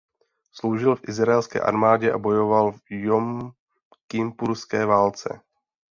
Sloužil v izraelské armádě a bojoval v jomkipurské válce.